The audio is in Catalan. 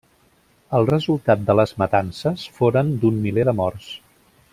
El resultat de les matances foren d'un miler de morts.